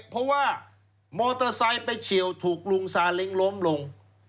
เพราะว่ามอเตอร์ไซค์ไปเฉียวถูกลุงซาเล้งล้มลง